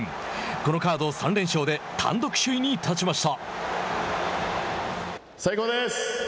このカード３連勝で単独首位に立ちました。